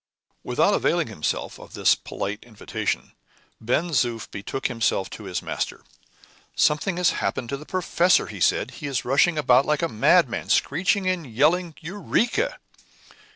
Without availing himself of this polite invitation, Ben Zoof betook himself to his master. "Something has happened to the professor," he said; "he is rushing about like a madman, screeching and yelling 'Eureka!